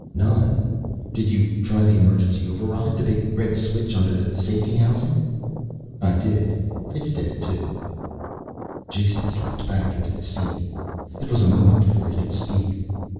"None! Did you try the emergency override? The big red switch under the safety housing." "I did. It is dead, too." Jason slumped back into the seat. It was a moment before he could speak.